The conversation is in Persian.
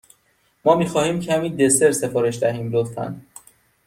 ما می خواهیم کمی دسر سفارش دهیم، لطفا.